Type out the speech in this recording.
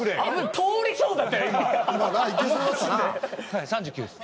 はい３９歳です。